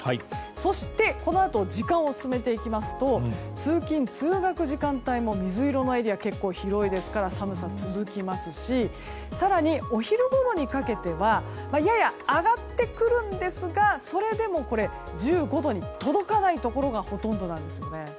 そして時間を進めていきますと通勤・通学時間帯も水色のエリアが結構広いですから寒さが続きますし更にお昼ごろにかけてはやや上がってくるんですがそれでも１５度に届かないところほとんどなんですね。